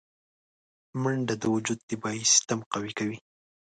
منډه د وجود دفاعي سیستم قوي کوي